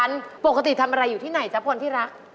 ต้านทางสุพรรณปกติทำอะไรอยู่ที่ไหนจับผ่อนที่รัก